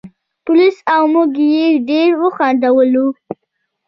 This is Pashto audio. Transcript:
پولیس او موږ یې ډېر وخندولو.